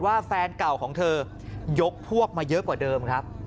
แฟนเก่าของเธอยกพวกมาเยอะกว่าเดิมครับ